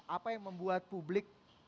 apa yang membuat publik